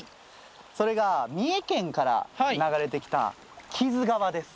それが三重県から流れてきた木津川です。